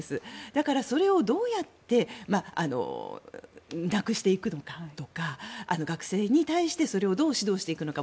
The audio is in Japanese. だから、それをどうやってなくしていくのかとか学生に対してそれをどう指導していくのか。